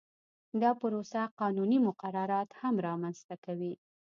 دا پروسه قانوني مقررات هم رامنځته کوي